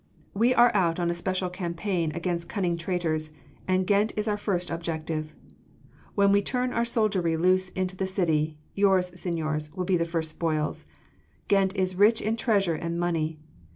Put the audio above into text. We are out on a special campaign against cunning traitors, and Ghent is our first objective. When we turn our soldiery loose into the city, yours, seigniors, will be the first spoils.... Ghent is rich in treasure and money